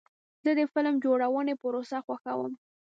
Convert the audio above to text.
زه د فلم جوړونې پروسه خوښوم.